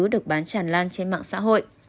được bán tràn lan trên mạng xã hội